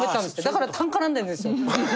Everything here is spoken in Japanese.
だからたん絡んでるんですよ。